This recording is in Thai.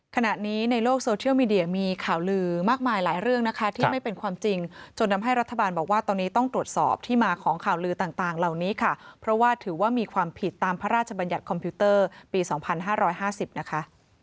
ขณะนี้ในโลกโซเชียลมีเดียมีข่าวลือมากมายหลายเรื่องนะคะที่ไม่เป็นความจริงจนทำให้รัฐบาลบอกว่าตอนนี้ต้องตรวจสอบที่มาของข่าวลือต่างเหล่านี้ค่ะเพราะว่าถือว่ามีความผิดตามพระราชบัญญัติคอมพิวเตอร์ปี๒๕๕๐นะคะ